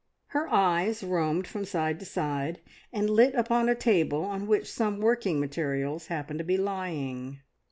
Her eyes roamed from side to side, and lit upon a table on which some working materials happened to be lying.